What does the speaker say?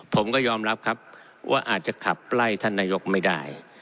ผมก็ยอมรับครับว่าอาจจะขับไล่ท่านนายกไม่ได้